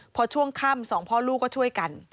พอช่วงค่ำสองพ่อลูกก็ช่วยกัน